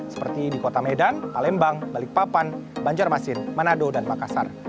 seperti di kota medan palembang balikpapan banjarmasin manado dan makassar